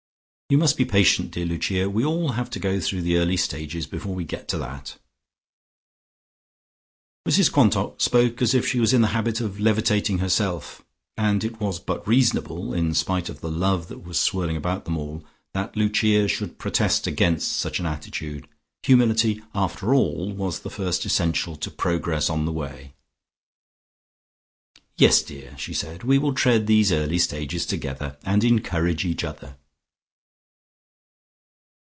You must be patient, dear Lucia; we all have to go through the early stages, before we get to that." Mrs Quantock spoke as if she was in the habit of levitating herself, and it was but reasonable, in spite of the love that was swirling about them all, that Lucia should protest against such an attitude. Humility, after all, was the first essential to progress on the Way. "Yes, dear," she said. "We will tread these early stages together, and encourage each other."